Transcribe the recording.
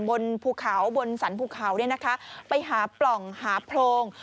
บนภูเขาบนสรรภูเขาไปหาปล่องหาโพรง